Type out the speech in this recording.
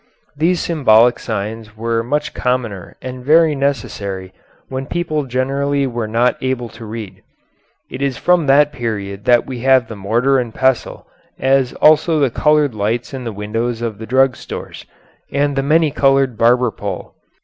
These symbolic signs were much commoner and very necessary when people generally were not able to read. It is from that period that we have the mortar and pestle as also the colored lights in the windows of the drug stores, and the many colored barber pole.